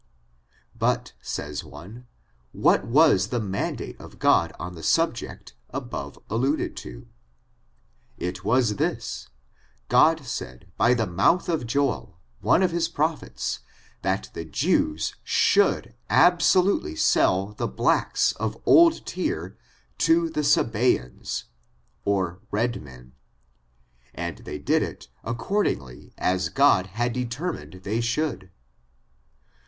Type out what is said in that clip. But, says one, what was the mandate of God on the subject above alluded to? It was this : God said by the mouth of Joel, one of his prophets, that the JewS| should absolutely sell the blacks of old Tyre to the Sabeans (red men), and they did it according ly as God had determined they should.